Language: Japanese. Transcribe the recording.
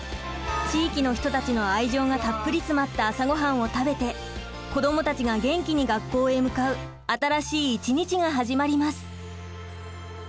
地域の人たちの愛情がたっぷり詰まった朝ごはんを食べて子どもたちが元気に学校へ向かう新しい一日が始まります。